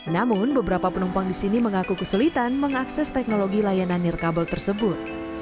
namun beberapa penumpang di sini mengaku kesulitan mengakses teknologi layanan nirkabel tersebut